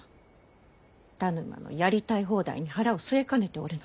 田沼のやりたい放題に腹を据えかねておるのは。